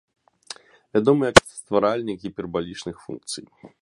Вядомы як стваральнік гіпербалічных функцый.